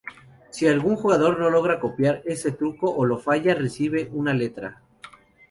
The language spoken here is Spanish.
Si algún jugador no logra copiar este truco o lo falla recibe una letra.